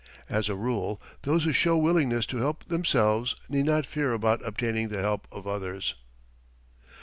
As a rule, those who show willingness to help themselves need not fear about obtaining the help of others.